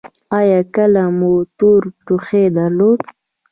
ایا کله مو تور ټوخی درلود؟